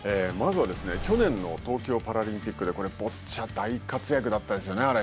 まずは去年の東京パラリンピックでボッチャ大活躍だったですよね